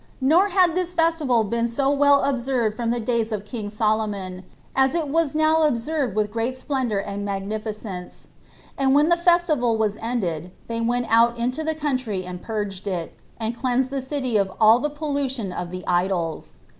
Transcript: Nor had this festival been so well observed from the days of king Solomon, as it was now first observed with great splendor and magnificence; and when the festival was ended, they went out into the country and purged it, and cleansed the city of all the pollution of the idols.